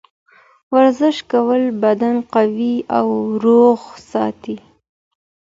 ورزش کول بدن قوي او روغ ساتي.